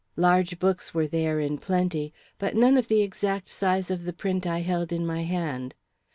Large books were there in plenty, but none of the exact size of the print I held in my hand.